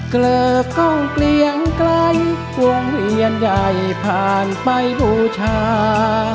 เกลอกล้องเกลียงไกลควงเวียนใหญ่ผ่านไปบูชา